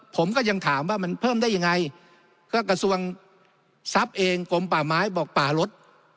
ผมก็ยังถามว่ามันเพิ่มได้ยังไงก็กระทรวงทรัพย์เองกลมป่าไม้บอกป่าลด